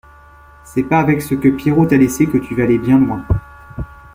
C’est pas avec ce que Pierrot t’a laissé que tu vas aller bien loin.